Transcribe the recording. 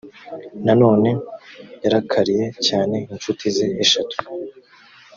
nanone yarakariye cyane incuti ze eshatu